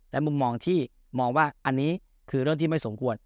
และมุมมองที่มองว่าอันนี้คือเรื่องที่ไม่สมควร